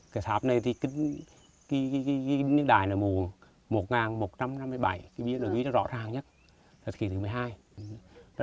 cái tháp này thì cái đài là mùa một nghìn một trăm năm mươi bảy cái bia đối với nó rõ ràng nhất là kỷ thứ một mươi hai